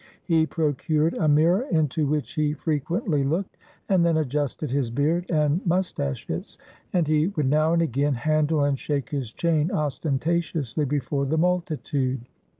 He procured a mirror into THE SIKH RELIGION which he frequently looked, and then adjusted his beard and moustaches ; and he would now and again handle and shake his chain ostentatiously before the multitude.